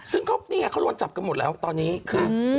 ซึ่งเขานี่ไงเขาโดนจับกันหมดแล้วตอนนี้คือ